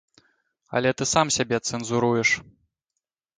Але ты сам сябе цэнзуруеш.